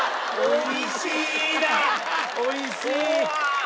「おいしい」！